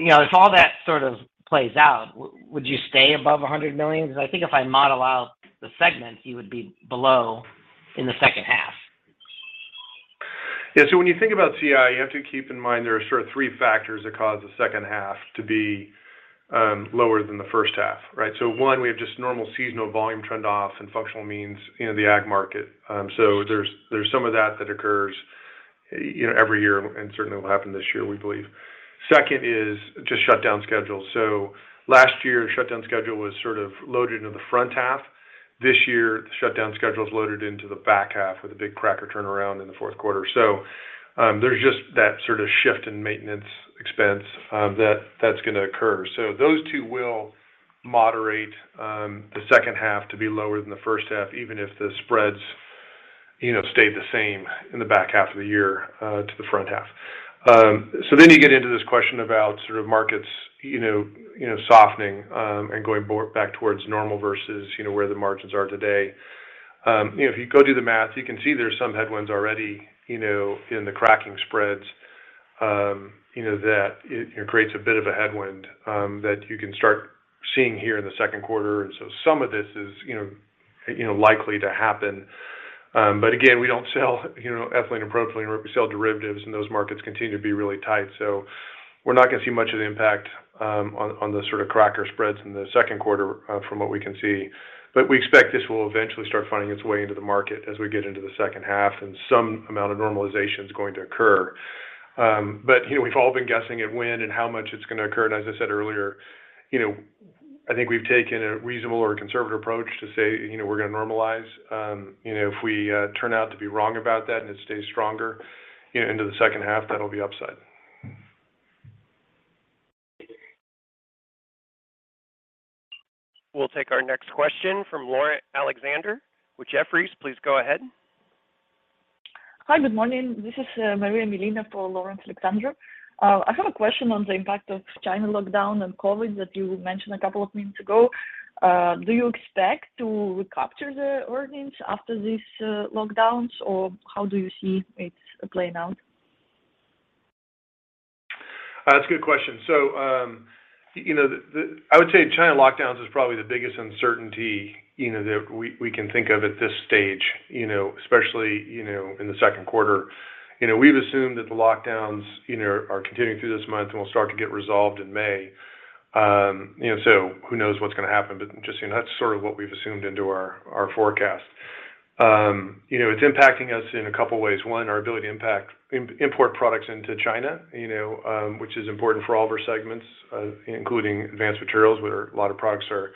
know, if all that sort of plays out, would you stay above $100 million? Because I think if I model out the segments, you would be below in the second half. Yeah. When you think about CI, you have to keep in mind there are sort of three factors that cause the second half to be lower than the first half, right? One, we have just normal seasonal volume trend in functional amines, you know, the ag market. There's some of that occurs, you know, every year and certainly will happen this year, we believe. Second is just shutdown schedule. Last year, shutdown schedule was sort of loaded into the front half. This year, the shutdown schedule is loaded into the back half with a big cracker turnaround in the fourth quarter. There's just that sort of shift in maintenance expense, that's gonna occur. Those two will moderate the second half to be lower than the first half, even if the spreads, you know, stayed the same in the back half of the year to the front half. Then you get into this question about sort of markets, you know, softening and going back towards normal versus, you know, where the margins are today. You know, if you go do the math, you can see there's some headwinds already, you know, in the cracking spreads that it creates a bit of a headwind that you can start seeing here in the second quarter. Some of this is, you know, likely to happen. Again, we don't sell, you know, ethylene and propylene. We sell derivatives, and those markets continue to be really tight. We're not gonna see much of the impact on the sort of cracker spreads in the second quarter from what we can see. We expect this will eventually start finding its way into the market as we get into the second half, and some amount of normalization is going to occur. You know, we've all been guessing at when and how much it's gonna occur. As I said earlier, you know, I think we've taken a reasonable or conservative approach to say, you know, we're gonna normalize. You know, if we turn out to be wrong about that and it stays stronger into the second half, that'll be upside. We'll take our next question from Laurence Alexander with Jefferies. Please go ahead. Hi. Good morning. This is Maria Milina for Laurence Alexander. I have a question on the impact of China lockdown and COVID that you mentioned a couple of minutes ago. Do you expect to recapture the earnings after these lockdowns, or how do you see it playing out? That's a good question. You know, I would say China lockdowns is probably the biggest uncertainty, you know, that we can think of at this stage, you know, especially, you know, in the second quarter. You know, we've assumed that the lockdowns, you know, are continuing through this month and will start to get resolved in May. You know, who knows what's gonna happen? Just, you know, that's sort of what we've assumed into our forecast. You know, it's impacting us in a couple ways. One, our ability to import products into China, you know, which is important for all of our segments, including Advanced Materials, where a lot of products are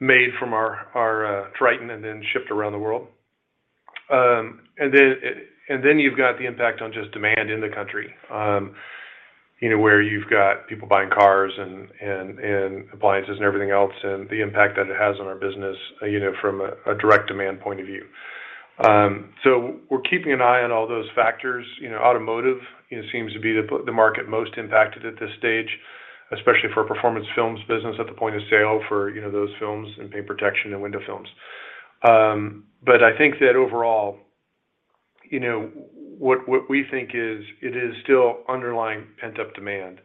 made from our Tritan and then shipped around the world. You've got the impact on just demand in the country, you know, where you've got people buying cars and appliances and everything else, and the impact that it has on our business, you know, from a direct demand point of view. We're keeping an eye on all those factors. You know, automotive, you know, seems to be the market most impacted at this stage, especially for our Performance Films business at the point of sale for, you know, those films and paint protection and window films. I think that overall, you know, what we think is it is still underlying pent-up demand,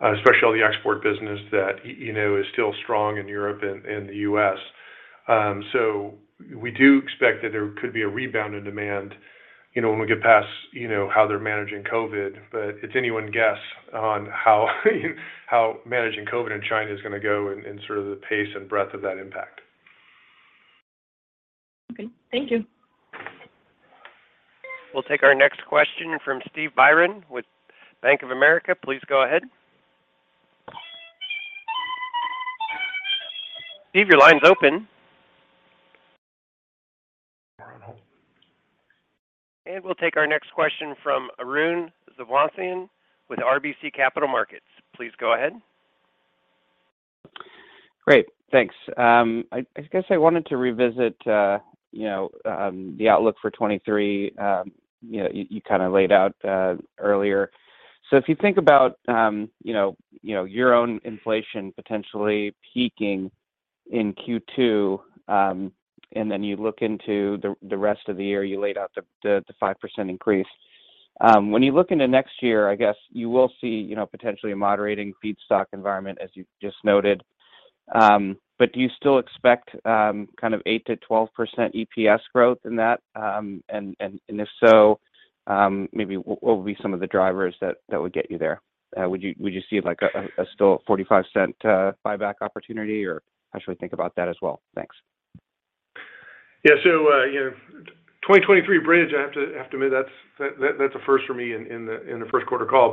especially all the export business that, you know, is still strong in Europe and the US. We do expect that there could be a rebound in demand, you know, when we get past, you know, how they're managing COVID. It's anyone's guess on how managing COVID in China is gonna go and sort of the pace and breadth of that impact. Okay. Thank you. We'll take our next question from Steve Byrne with Bank of America. Please go ahead. Steve, your line's open. We'll take our next question from Arun Viswanathan with RBC Capital Markets. Please go ahead. Great. Thanks. I guess I wanted to revisit the outlook for 2023, you know, you kinda laid out earlier. If you think about your own inflation potentially peaking in Q2, and then you look into the rest of the year, you laid out the 5% increase. When you look into next year, I guess you will see, you know, potentially a moderating feedstock environment as you just noted. Do you still expect kind of 8%-12% EPS growth in that? And if so, maybe what would be some of the drivers that would get you there? Would you see like a still $0.45 buyback opportunity, or how should we think about that as well? Thanks. Yeah. You know, 2023 bridge, I have to admit that's a first for me in the first quarter call.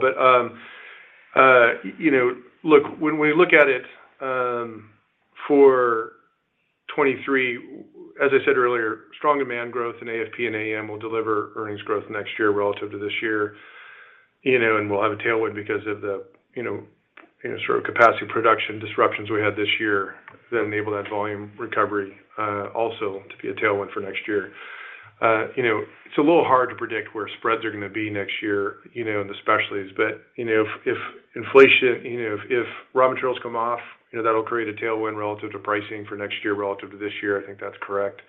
Look, when we look at it, for 2023, as I said earlier, strong demand growth in AFP and AM will deliver earnings growth next year relative to this year, you know, and we'll have a tailwind because of the, you know, sort of capacity production disruptions we had this year that enable that volume recovery, also to be a tailwind for next year. You know, it's a little hard to predict where spreads are gonna be next year, you know, in the specialties. You know, if inflation, you know, if raw materials come off, you know, that'll create a tailwind relative to pricing for next year relative to this year. I think that's correct.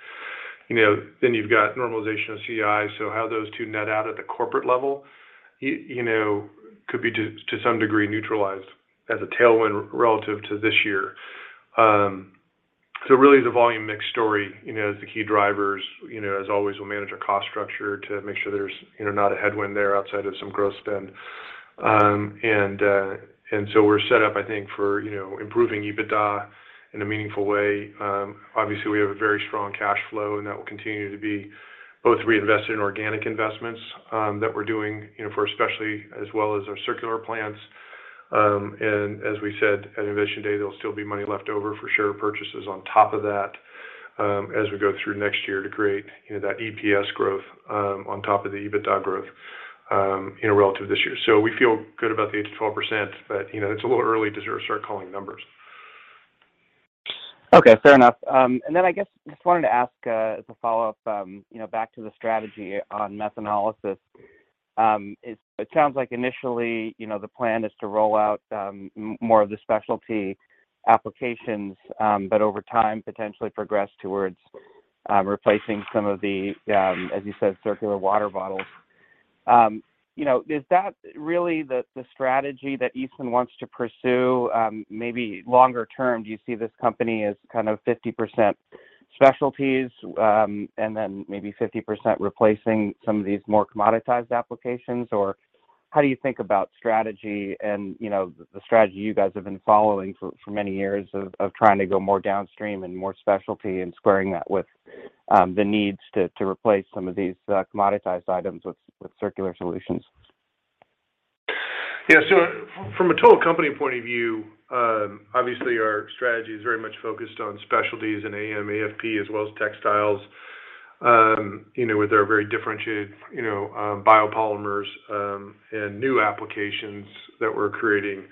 You know, you've got normalization of CI. How those two net out at the corporate level, you know, could be to some degree neutralized as a tailwind relative to this year. Really the volume mix story, you know, is the key drivers. You know, as always we'll manage our cost structure to make sure there's, you know, not a headwind there outside of some growth spend. We're set up, I think, for, you know, improving EBITDA in a meaningful way. Obviously we have a very strong cash flow, and that will continue to be both reinvested in organic investments that we're doing, you know, for Eastman as well as our circular plans. As we said at Investor Day, there'll still be money left over for share purchases on top of that, as we go through next year to create, you know, that EPS growth, on top of the EBITDA growth, you know, relative to this year. We feel good about the 8%-12%, but, you know, it's a little early to start calling numbers. Okay. Fair enough. I guess just wanted to ask, as a follow-up, you know, back to the strategy on methanolysis. It sounds like initially, you know, the plan is to roll out, more of the specialty applications, but over time, potentially progress towards, replacing some of the, as you said, circular water bottles. You know, is that really the strategy that Eastman wants to pursue? Maybe longer term, do you see this company as kind of 50% specialties, and then maybe 50% replacing some of these more commoditized applications? How do you think about strategy and, you know, the strategy you guys have been following for many years of trying to go more downstream and more specialty and squaring that with the needs to replace some of these commoditized items with circular solutions? Yeah. From a total company point of view, obviously our strategy is very much focused on specialties and AM, AFP, as well as textiles, you know, with our very differentiated, you know, biopolymers, and new applications that we're creating,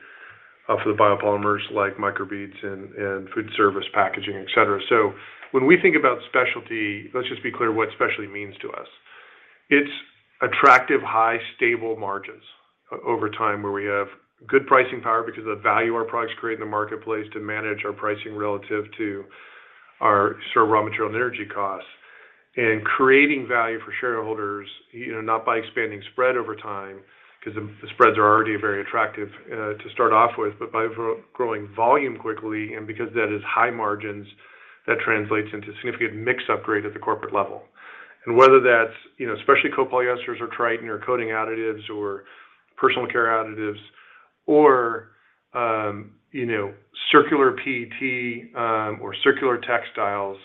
for the biopolymers like microbeads and food service packaging, et cetera. When we think about specialty, let's just be clear what specialty means to us. It's attractive, high, stable margins over time, where we have good pricing power because of the value our products create in the marketplace to manage our pricing relative to our sort of raw material and energy costs. Creating value for shareholders, you know, not by expanding spread over time, 'cause the spreads are already very attractive to start off with, but by growing volume quickly and because that is high margins, that translates into significant mix upgrade at the corporate level. Whether that's, you know, especially copolyesters or Tritan or coating additives or personal care additives or, you know, circular PET, or circular textiles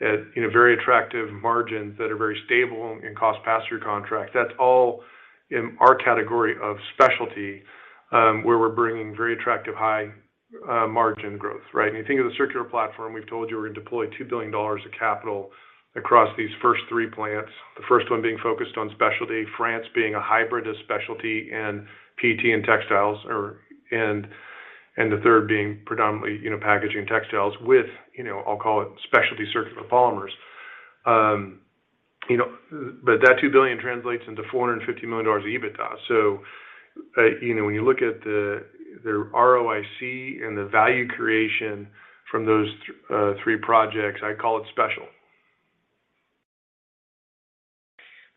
at, you know, very attractive margins that are very stable and cost pass-through contract. That's all in our category of specialty, where we're bringing very attractive high-margin growth, right? When you think of the circular platform, we've told you we're gonna deploy $2 billion of capital across these first three plants, the first one being focused on specialty, France being a hybrid of specialty and PET and textiles or. The third being predominantly, you know, packaging textiles with, you know, I'll call it specialty circular polymers. You know, that $2 billion translates into $450 million EBITDA. You know, when you look at the ROIC and the value creation from those three projects, I call it special.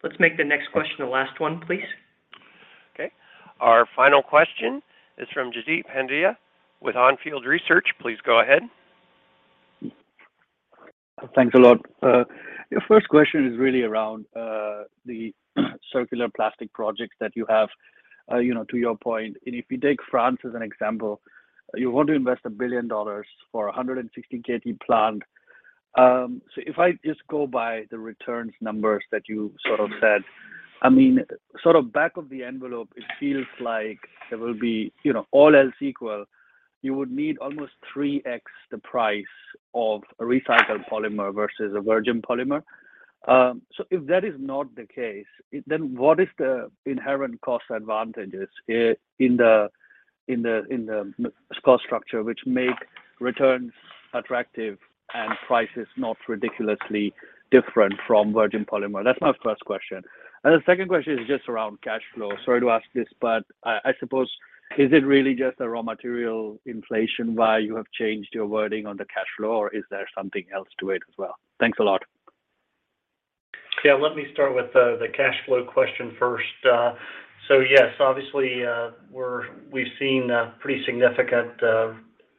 Let's make the next question the last one, please. Okay. Our final question is from Jaideep Pandya with Onfield Research. Please go ahead. Thanks a lot. Your first question is really around the circular plastic projects that you have. You know, to your point, if you take France as an example, you want to invest $1 billion for a 160 KT plant. So if I just go by the returns numbers that you sort of said, I mean, sort of back of the envelope, it feels like there will be, you know, all else equal, you would need almost 3x the price of a recycled polymer versus a virgin polymer. So if that is not the case, then what is the inherent cost advantages in the cost structure which make returns attractive and prices not ridiculously different from virgin polymer? That's my first question. The second question is just around cash flow. Sorry to ask this, but I suppose, is it really just a raw material inflation why you have changed your wording on the cash flow, or is there something else to it as well? Thanks a lot. Yeah. Let me start with the cash flow question first. Yes, obviously, we've seen a pretty significant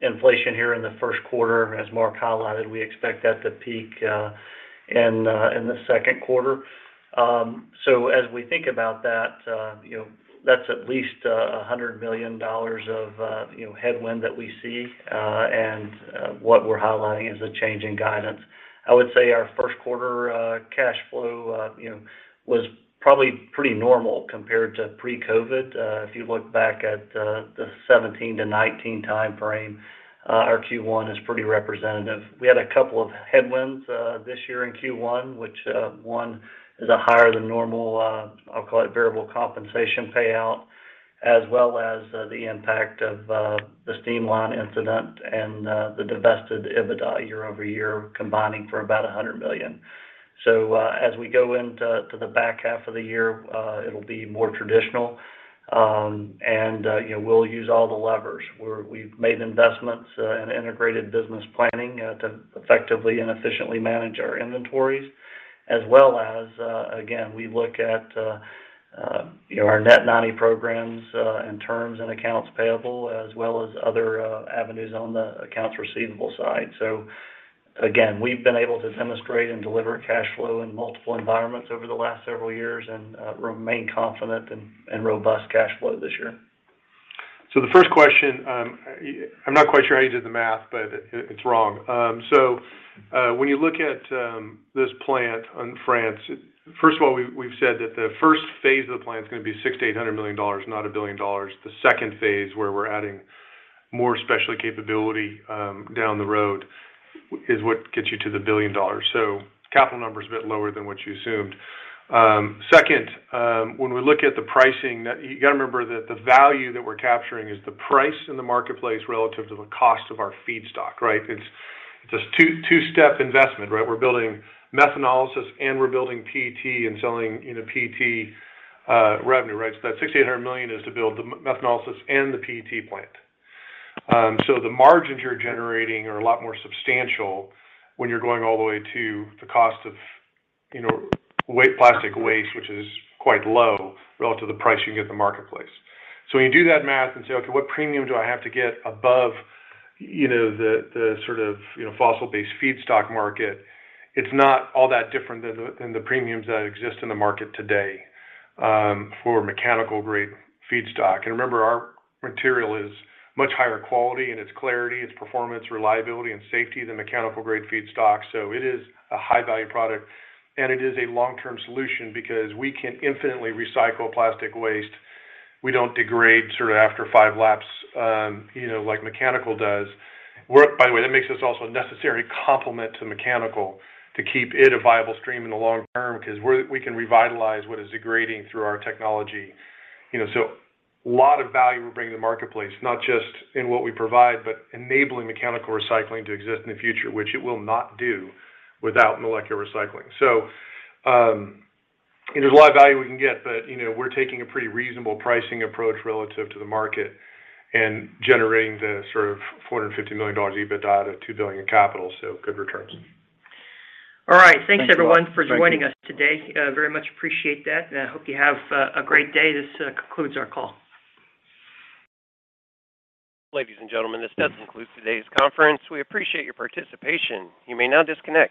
inflation here in the first quarter, as Mark highlighted. We expect that to peak in the second quarter. As we think about that, you know, that's at least $100 million of you know, headwind that we see, and what we're highlighting is a change in guidance. I would say our first quarter cash flow you know, was probably pretty normal compared to pre-COVID. If you look back at the 2017-2019 timeframe, our Q1 is pretty representative. We had a couple of headwinds this year in Q1, which one is a higher than normal I'll call it variable compensation payout, as well as the impact of the steam line incident and the divested EBITDA year over year combining for about $100 million. As we go into the back half of the year, it'll be more traditional. You know, we'll use all the levers where we've made investments in integrated business planning to effectively and efficiently manage our inventories. As well as again, we look at you know, our Net 90 programs in terms and accounts payable as well as other avenues on the accounts receivable side. Again, we've been able to demonstrate and deliver cash flow in multiple environments over the last several years and remain confident in robust cash flow this year. The first question, I'm not quite sure how you did the math, but it's wrong. When you look at this plant in France, first of all, we've said that the first phase of the plant is gonna be $600 million-$800 million, not $1 billion. The second phase, where we're adding more specialty capability down the road is what gets you to the $1 billion. Capital number is a bit lower than what you assumed. Second, when we look at the pricing, you gotta remember that the value that we're capturing is the price in the marketplace relative to the cost of our feedstock, right? It's a two-step investment, right? We're building methanolysis, and we're building PET and selling, you know, PET revenue, right? That $600 million-$800 million is to build the methanolysis and the PET plant. The margins you're generating are a lot more substantial when you're going all the way to the cost of, you know, plastic waste, which is quite low relative to the price you can get in the marketplace. When you do that math and say, "Okay, what premium do I have to get above, you know, the sort of, you know, fossil-based feedstock market?" It's not all that different than the premiums that exist in the market today for mechanical-grade feedstock. Remember, our material is much higher quality in its clarity, its performance, reliability, and safety than mechanical-grade feedstock. It is a high-value product, and it is a long-term solution because we can infinitely recycle plastic waste. We don't degrade sort of after five laps, you know, like mechanical does. By the way, that makes us also a necessary complement to mechanical to keep it a viable stream in the long term 'cause we can revitalize what is degrading through our technology. You know, a lot of value we're bringing to the marketplace, not just in what we provide, but enabling mechanical recycling to exist in the future, which it will not do without molecular recycling. There's a lot of value we can get, but, you know, we're taking a pretty reasonable pricing approach relative to the market and generating the sort of $450 million EBITDA at $2 billion in capital, so good returns. All right. Thanks a lot. Thanks, everyone, for joining us today. Very much appreciate that, and I hope you have a great day. This concludes our call. Ladies and gentlemen, this does conclude today's conference. We appreciate your participation. You may now disconnect.